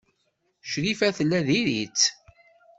Crifa tella diri-tt.